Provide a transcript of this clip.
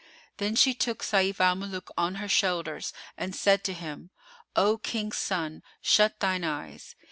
Then she took Sayf al Muluk on her shoulders and said to him, "O King's son, shut thine eyes."